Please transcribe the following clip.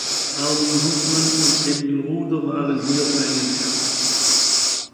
Armin Hofmann und Emil Ruder waren hier seine Lehrer.